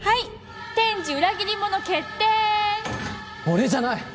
俺じゃない！